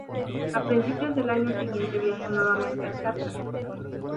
A principios del año siguiente viajó nuevamente a Charcas.